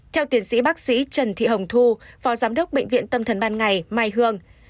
theo tiến sĩ bác sĩ trần thị hồng thu phó giám đốc bệnh viện tâm thần ban ngày mai hương